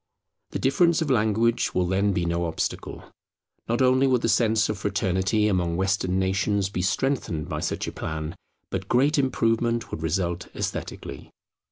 The difference of language will then be no obstacle. Not only would the sense of fraternity among Western nations be strengthened by such a plan, but great improvement would result esthetically.